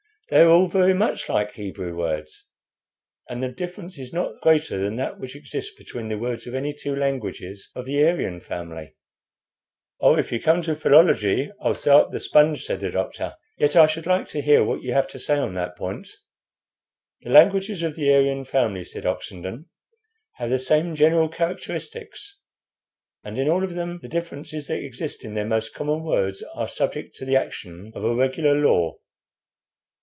"They are all very much like Hebrew words, and the difference is not greater than that which exists between the words of any two languages of the Aryan family." "Oh, if you come to philology I'll throw up the sponge," said the doctor. "Yet I should like to hear what you have to say on that point." "The languages of the Aryan family," said Oxenden, "have the same general characteristics, and in all of them the differences that exist in their most common words are subject to the action of a regular law.